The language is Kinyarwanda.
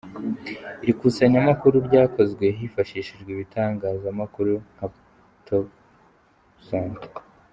Iri kusanyamakuru ryakozwe hifashishijwe ibitangaza makuru nka topsante.